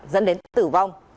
dẫn đến tử vong